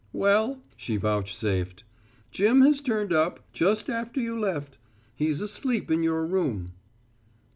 "Well," she vouchsafed, "Jim has turned up just after you left. He's asleep in your room."